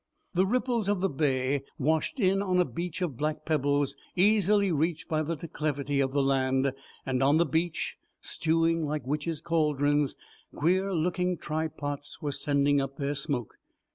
The ripples of the bay washed in on a beach of black pebbles easily reached by the declivity of the land and on the beach, stewing like witches' cauldrons, queer looking try pots were sending up their smoke.